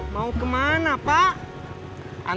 mau ke mana pak